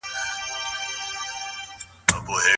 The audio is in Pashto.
اخلاق نه خرابول کېږي.